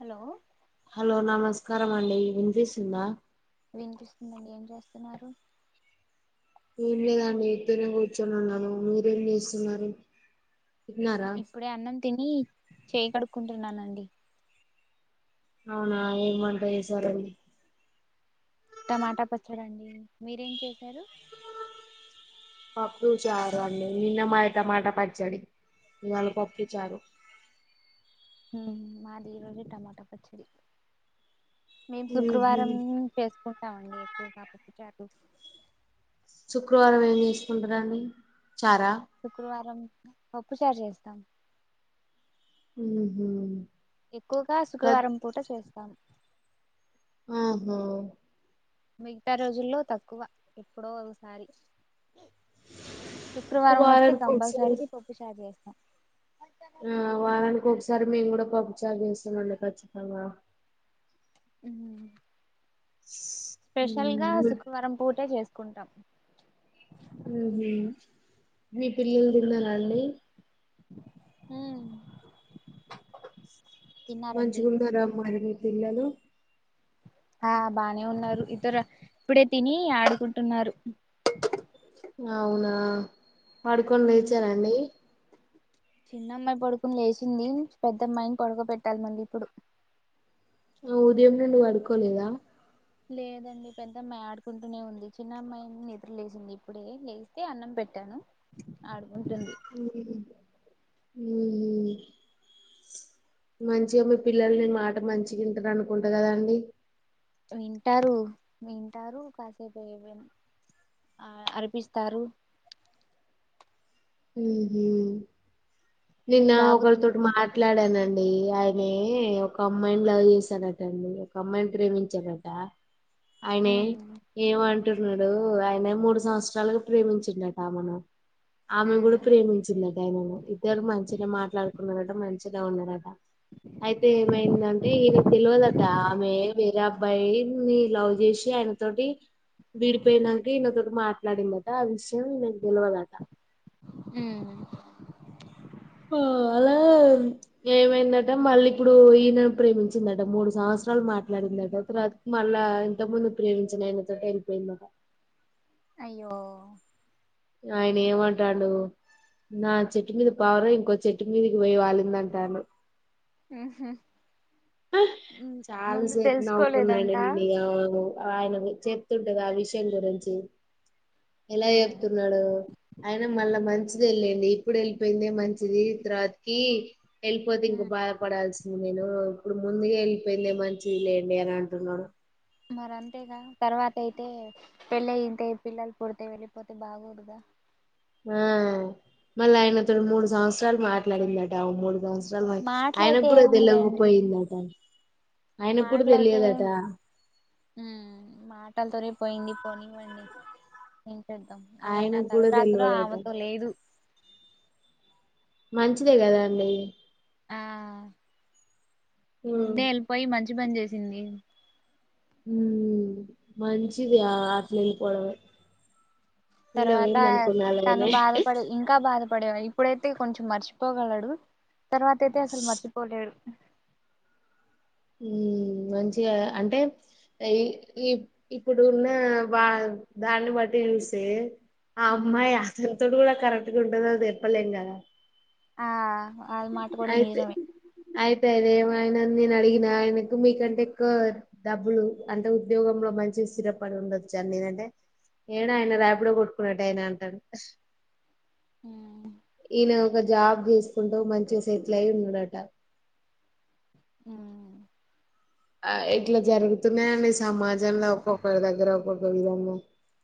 Hello hello నమస్కారం అండి వినిపిస్తుందా? వినిపిస్తుందండి. ఏం చేస్తున్నారు? ఏమి లేదండి ఇప్పునే కూర్చుని ఉన్నాను. మీరేం చేస్తున్నారు? తిన్నారా ఇప్పుడే అన్నం తిని చేయ కడుక్కుంటున్నానండి. అవునా ఏం వంట చేశారు? టమాటా పచ్చడండి. మీరేం చేసారు? పప్పు చారు అండి నిన్న మాయ టమాట పచ్చడి ఇవాళ పప్పు చారు మాది ఈరోజు టమాట పచ్చడి మేము ఊహూ శుక్రవారం చేసుకుంటామండి ఎక్కువగా పప్పు చారు శుక్రవారం ఏం చేసుకుంటారండి చారా శుక్రవారం పప్పుచారు చేస్తాం ఉ హు ఎక్కువగా శుక్రవారం పూట చేస్తాం ఆహో మిగతా రోజుల్లో తక్కువ ఎప్పుడో ఒకసారి శుక్రవారం వస్తే వారానికి ఒకసారి కంపల్సరీ పప్పు చార చేస్త ఆ వారానికి ఒకసారి మేము కూడ పప్పు చార చేస్తామండి ఖచ్చితంగా ఉ స్పెషల్ గా ఊ శుక్రవారం పూటే చేసుకుంటాం మీ పిల్లలు తిన్నారా అండి హు మంచి గున్నారా అ మరి మీ పిల్లలు ఆ బానే ఉన్నారు ఇతరు ఇప్పుడే తిని ఆడుకుంటున్నారు అవునా పడుకొని లేచర అండి చిన్న అమ్మాయి పడుకుని లేచింది పెద్దమ్మాయిని పడుకో పెట్టాలి మళ్ళీ ఇప్పుడు ఆ ఉదయం నుండి పడుకోలేదా లేదండి పెద్దమ్మాయి ఆడుకుంటూనే ఉంది చిన్నమ్మాయి నిద్ర లేసింది ఇప్పుడే లేస్తే అన్నం పె పెట్టను హు మంచిగా మీ పిల్లలు నీ మాట మంచిగ ఇంటరు అనుకుంటా కదాండి వింటారు వింటారు కాసేపు అ ఆ అరిపిస్తారు ఉహ మీ నిన్న బాబు ఒకరితోటి తిన్నాడండి మాట్లాడనండి ఆయనే ఒక అమ్మాయిని లవ్ చేశాడట అండి ఒక అమ్మాయిని ప్రేమించాడట ఆయనే ఉమ్ ఎ అంటున్నాడు ఆయన మూడు సంవత్సరాలుగా ప్రేమించిండట ఆమెను ఆమె కూడ ఉమ్ ప్రేమించిందట ఆయనను ఇద్దరు మంచిగా మాట్లాడుకున్నారట మంచిగా ఉన్నరట అయితే ఉమ్ ఏమైంది అంటే ఈ పిల్లోలకి ఆమె వేరే అబ్బాయి నీ లవ్ చేసి ఆయన తోటి విడిపోయినాక ఈనతోటి మాట్లాడిందట ఆ విషయం నేను తెలవదట హు అలా ఏమైందట మళ్ళీ ఇప్పుడు ఈయనను ప్రేమించిందట మూడు సంవత్సరాలు మాట్లాడిందట మళ్ళా ఎంతకు ముందు ప్రేమించిన ఆయన తోటే వెళ్ళపోయిందట అయ్యో ఆయన ఏమన్ట [unintelligible] నా చెట్టు మీద పావురం ఇంకో చెట్టు మీదకి పోయి వాలింది అంటాన్డు హు హు చాల సేపు నవ్వుకున్నా తెలుసుకోలేదంట [unintelligible] ఆయనవి చెప్తుంతివే ఆ విషయం గురించి ఎలా ఉమ్ చెప్తున్నాడు అయిన మళ్ళా మంచిదే లెండి ఎప్పుడు వెళ్ళిపోయిందే మంచిది తర్వాతికి వెళ్ళిపోతే ఉమ్ ఇంకా బాధపడాల్సింది నేనూ ఇప్పుడు ముందుగా ఎళ్ళిపోయిందే మంచిది లేండి అని అంటున్నడు. మరి అంతేగా తర్వాతైయితే పెళ్ళై ఇంతే పిల్లలు పుడితే వెళ్ళిపోతే బాగోదుగా. ఆ మళ్ళా ఆయనతోని మూడు సంవత్సరాలు మాట్లాడిందటా ఓ మూడు సంవత్స్ [unintelligible] మచ్ మాటలయితే ఆయనక్గూడ తెల్వకపోయిందటా. మాట్లైతే ఏం ఊ మాటల్తో రేప్ పోయింది పోనివ్వండి ఏం చేద్దాం ఆయన ఆయనకు కూడా తలరాతలో తెలియదట ఆమెతో లేదు. మంచిదే గదా అండి. ఆ ముందే ఎళ్ళిపోయి మంచి పని చేశింది. ఊ మంచిది ఆ ఆట్ల ఎళ్ళిపోవడమే. తర్వాతా తను బాధపడి ఇంకా బాధ పడేవై ఇప్పుడైతే కొంచెం మర్చిపోగలడు తర్వాత అయితే అసల్ మర్చిపోలేడు. ఊ మంచిగా అంటే ఈ ఈ ఇప్పుడున్నా వా దాన్ని బట్టి. చూస్తే ఆ అమ్మాయి అతన్తోటి గూడా కరెక్ట్గ ఉంటదో అది చెప్పలేం గదా. ఆ అది మాట కూడా అయితే నిజమే అయితే అది ఏమ ఆయన్ నేను అడిగినా ఆయనకు మీకంటే ఎక్కువ డబ్బులు అంటే ఉద్యోగం లో మంచి స్థిరపడ డుండొచ్చు అని నేనంటే ఏడా ఆయనా ఉమ్ రాపిడో కొట్టుకునేటాయనా అంటాడు. ఊ ఈయన ఒక జాబ్ చేసుకుంటూ మంచిగ సెట్లై ఉన్నడటా. ఊ ఆ ఇట్లా జరుగుతున్నాయండి సమాజంలో ఒక్కొక్కరి దగ్గర ఒక్కొక్క విధము.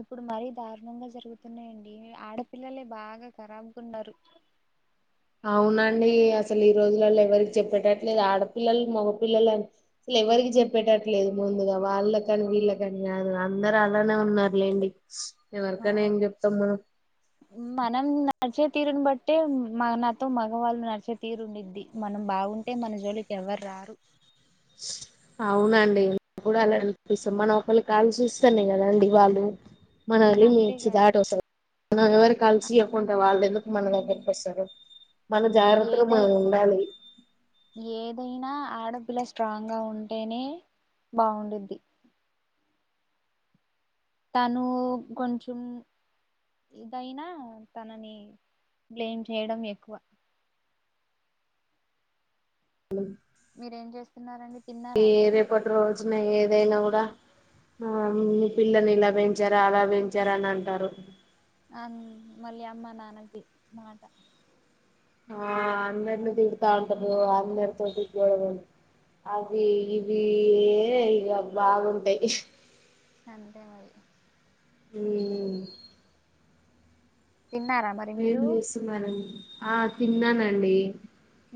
ఇప్పుడు మరీ దారుణంగా జరుగుతున్నాయండీ ఆడపిల్లలే బాగా ఖరాబ్ గున్నరు. అవునండీ అసల్ ఈ రోజులల్ల ఎవరికి చెప్పేటట్లేదు ఆడపిల్లల్ మగపిల్లలని అసల్ ఎవర్ రికీ చెప్పేటట్లేదు ముందుగా వాళ్ళక్ కాని వీళ్ళక్ గాని గాదు అందరు అలానే ఉన్నారులేండి. ఎవరికైనా ఏం చెప్తం మనం. మనం నడిచే తీరుని బట్టే మా నాతో మగవాళ్ళు నడిచే తీరు ఉండిద్ది మనం బాగుంటే మన జోలికి ఎవర్ రా రారు అవునండి [inaudible] కూడా అలానే [inaudible] చూస్తం మనం ఒకళి కాల్ చూస్తన్నే కదండి వాళ్ళు మనల్నీ మించి అంతేగా దాటి వస్తరు [inaudible] మనం ఎవరికీ అల్సు ఇయ్యకుంటే వాళ్ళెందుక్ మన దగ్గర్ కొస్తరూ ఏదై ఏదైనా ఆడ పిల్లా స్ట్రాంగ్ గా ఉంటేనే బాగుండిద్ది. తనూ కొంచమ్ ఇదైనా తననీ బ్లేమ్ చేయడం ఎక్కువా. మీరేం చేస్తున్నారండి ఈ తిన్నారా మరి మీరు రేపటి రోజున ఏదైనా గూడా ఆ మీ పిల్లల్ని ఇలా పెంచారా అలా పెంచారా అని అంటారు. అం మళ్ళీ అమ్మా నాన్నకి మాట. ఆ అందర్ని తిడుతా ఉంటరూ అందరితోటి గొడవలె. అవ్యి ఇవ్వీ ఇయే ఇగా బాగుంటయి. అంతే మరి ఉఊ తిన్నారా మరి ఏం మీరు చేస్తున్నారండి ఆ తిన్నానండి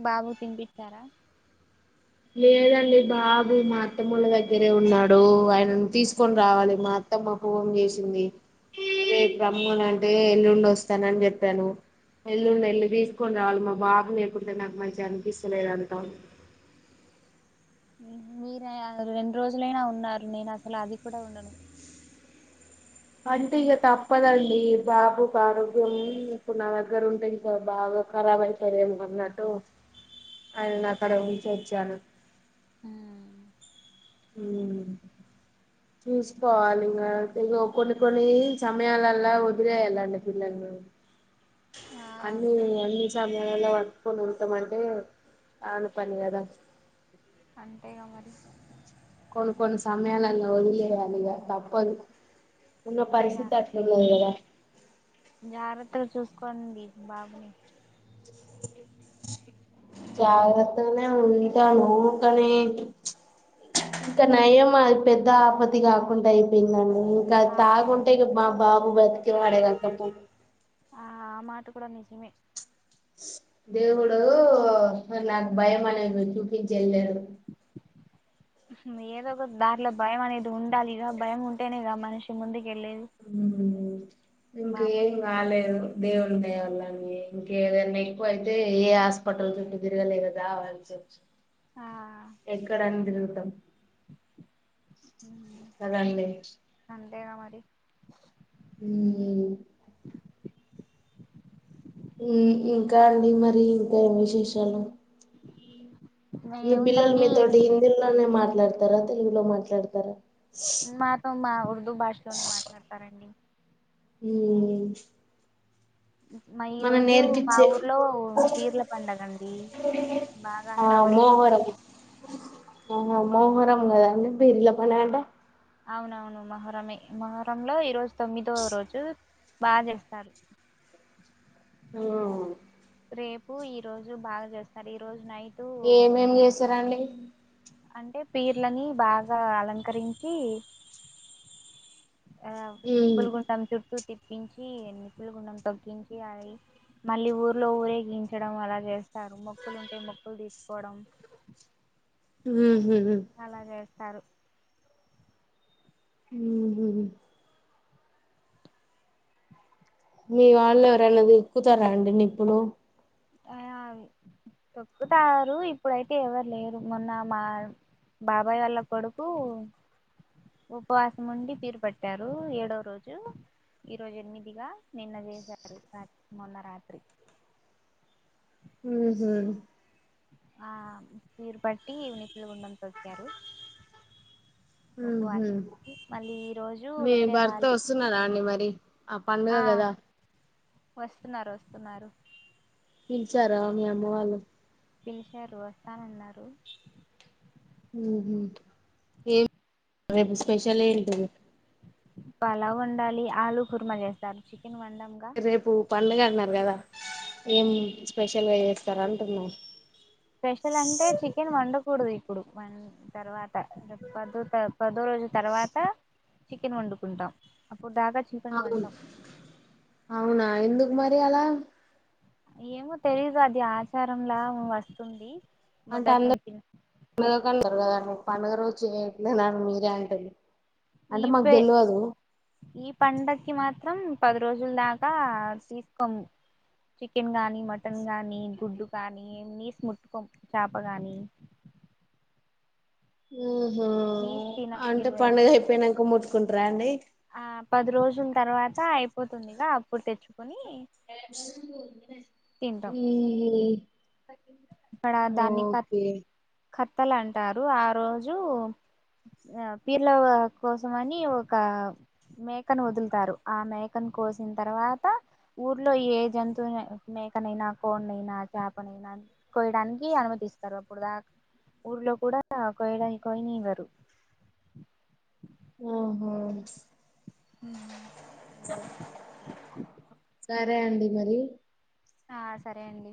బాబుకి తినిపించారూ లేదండి బాబు మా అత్తముళ్ల దగ్గరే ఉన్నాడు ఆయన తీసుకొని రావాలి మా ఆత్తమ ఫోన్ చేసింది రేపు రమ్మని అంటే ఎల్లుడ వస్తానని చెప్పాను ఎల్లుండి ఎల్ళ తీసుకొని రావాలి మా బాబు నేకుంటే నాకు మంచి అనిపిస్తలేదు అంతా మీరే రెండు రోజులైనా ఉన్నారు నేను అసలు అది కూడా ఉండను అంటే ఇక తప్పదండి బాబుకి ఆరోగ్యం ఇప్పుడు నా దగ్గర ఉంటే ఇంకా బాగా ఖరాబ్ అయిపోతాది అన్నట్టు ఆయనను అక్కడ ఉంచి వచ్చాను ఉమ్ ఉమ్ చూసుకోవాలి ఇంకా ఇగో కొన్ని కొన్ని సమయాలలా వదిలేయాలండి పిల్లలని ఆ అన్ని అన్ని సమయాలల్లో వర్క్కని ఉంటమంటే కాని పని కదా అంతేగా మరి కొన్ని కొన్ని సమయాల్లో ఒదిలేయలిగ తప్పదు ఉన్న జా పరిస్థతి అట్లా కాదు కదా జాగ్రత్తగా చూసుకోండి బాబుని జాగ్రత్తగానే ఉంటాము కానీ ఇంకా నయం అది పెద్ద ఆపతి కాకుండా అయిపోయిందండి ఇంకా ఆ తాగుంటే ఇక మా బాబు బతికేవాడే కదు ఆ ఆ మాట కూడా నిజమే దేవుడు నాకు భయం అనేది చూపించి వెళ్ళాడు ఏదో ఒక దారిలో భయం అనేది ఉండాలిగా భయం ఉంటేనేగా మనిషి ముందుకి కెళ్లేది ఇంక ఏం కాలేదు దేవుని దయవల్ల అండి ఇంకేదనా ఎక్కువ అయితే ఏ హాస్పిటల్ చుట్టూ తిరగలే కవాల్ ఆ ఎక్కడని తిరుగుతాం కదండి అంతేగా మరి ఉమ్ ఇంకా అండి మరి ఇంకా ఏం విశేషాలు మీ పిల్లలు ఏముందండి మీతోటి హిందీలోనే మాట్లాడతారా తెలుగులో మాట్లాడతారా మాతో మా ఉర్దూ భాషలోనే మాట్లాడతారండి ఉమ్ మా ఈ మనం రోజు మా నేర్పించే ఊర్లో బీర్ల పండగ అండి ఆ మోహోరం ఆ మోహరం కదా అండి పీర్ల పండగ అంటే అవునవును మొహరమే మొహరంలో ఈ రోజు తొమ్మిదో రోజు బా చేస్తారు ఓ రేపు ఈ రోజు బాగా చేస్తారు ఈ రోజు నైట్ ఏమేమి చేసారండి అంటే పీర్లని బాగా అలంకరించి ఆ ఉమ్, నింపులు గుంటాం చుట్టూ తి తించి నిప్పుల గుండం తొక్కించి అది మళ్ళీ ఊర్లో ఊరేగించడం అలా చేస్తారు మొక్కులు ఉంటే మొక్కులు తీర్చుకోవడం ఉహు అలా చేస్తారు ఉహు మీ వాళ్ళు ఎవరైనా తొక్కుతారా అండి నిప్పులు అ అవి తొక్కుతారు ఇప్పుడైతే ఎవరు లేరు మొన్న మా బాబాయ్ వాళ్ళ కొడుకు ఉపవాసం ఉండి పీరు పట్టారు ఏడోవ రోజు ఈ రోజు ఎనిమిదిగా నిన్న చేసారు రా మొన్న రాత్రి ఉహు ఆ పీరు పట్టి నిప్పుల గుండం తొక్కారు ఉహు ఉపవాసం మళ్ళీ ఈ రోజు మీ వేరే భర్త వాళ్ళు వస్తున్నాడా అండి మరి ఆ పండగకి కదా వస్తున్నారు వస్తున్నారు పిలీచారా మీ అమ్మ వాళ్ళు పిలిచారు వస్తానన్నారు ఉహు ఏం రేపు స్పెషల్ ఏంటిది అలా ఉండాలి ఆలుూ కుర్మ చేస్తారు చి రేపు పండుగ అన్నారు కదా ఏం స్పెషల్గా చేస్తార అంటున్నా స్పెషల్ అంటే చికెన్ వండకూడదు ఇప్పుడు వ తర్వాత పదో త పదో రోజు తర్వాత చికెన్ వండుకుంటాం అప్పుడు దాకా చికెన్ అవును వండం అవునా ఎందుకు మరి అలా ఏమో తెలీదు అది ఆచారంలా వస్తుంది అంటే మొదటి నుంచి అందర్ అందరూ పండుగ రోజు చేయట్లే మీరంటోళ్ళు ఈపే ఈ పండకి మాత్రం మత్రం పది రోజుల దాకా తీసుకోము చికెన్ గానీ మటన్ గాని గుడ్డు కాని నీస్ ముట్టుకోం చాప గాని ఓహో నీస్ తినం అంటే ఇవే పండగ అయిపోయినాక ముట్టుకుంటార అండి ఆ పది రోజుల తర్వాత అయిపోతుందిగా అప్పుడు తెచ్చు తింటాం హుమ్మ్ ఇక్కడ దాన్ని కత్ ఖాతాల్ అంటారు ఆ రోజు ఆ పీర్ల కోసం అని ఒక మేకను వదులుతారు ఆ మేకను కోసిన తర్వాత ఊర్లో ఏ జంతువు మేకనైనా కొన్నైనా అయినా చాపనైనా కోయడానికి అనుమతిస్తారు అప్పుడు దాకా ఊర్లో కూడా కోయడా కోయనివ్వరు ఓహో సరే అండి మరి ఆ సరే అండి